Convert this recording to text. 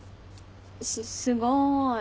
すすごい。